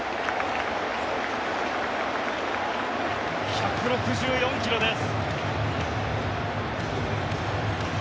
１６４ｋｍです。